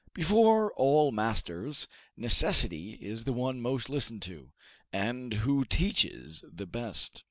Before all masters, necessity is the one most listened to, and who teaches the best.